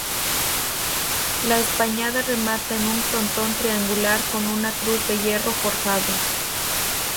La espadaña remata en un frontón triangular con una cruz de hierro forjado.